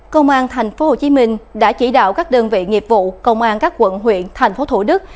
công an thành phố hồ chí minh đã chỉ đạo các đơn vị nghiệp vụ công an các quận huyện thành phố thủ đức